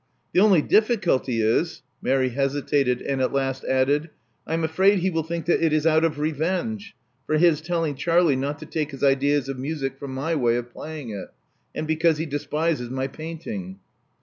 The only difficulty is " Mary hesitated, and at last added, I am afraid he will think that it is out of revenge for his telling Charlie not to take his ideas of music from my way of playing it, and because he despises my painting."